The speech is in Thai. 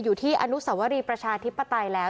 อยู่ที่อนุสวรีประชาธิปไตยแล้ว